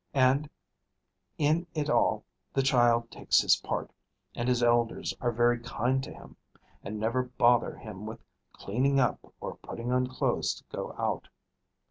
And in it all the child takes his part; and his elders are very kind to him, and never bother him with cleaning up or putting on clothes to go out.